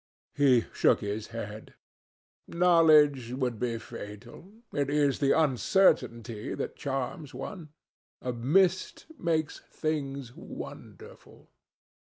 He shook his head. "Knowledge would be fatal. It is the uncertainty that charms one. A mist makes things wonderful."